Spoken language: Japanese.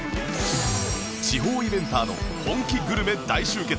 地方イベンターの本気グルメ大集結